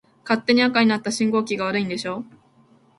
勝手に赤になった信号機が悪いんでしょ。